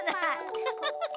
フフフフ。